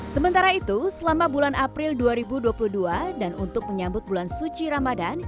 sementara itu selama bulan april dua ribu dua puluh dua dan untuk menyambut bulan suci ramadan